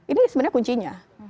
ini sebenarnya kuncinya